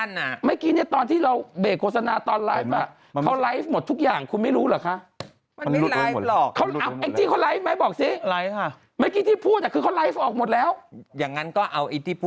เดี๋ยวฉันถามครับทำไมฉันต้องรู้เรื่องด้วยเนี่ย